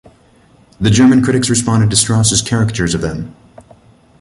The German critics responded to Strauss's caricatures of them.